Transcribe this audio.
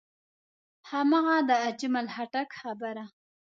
هماغه د اجمل خټک خبره.